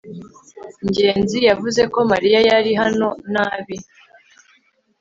ngenzi yavuze ko mariya yari hano nabi